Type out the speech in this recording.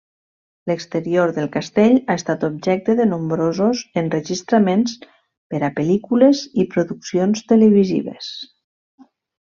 L'exterior del castell ha estat objecte de nombrosos enregistraments per a pel·lícules i produccions televisives.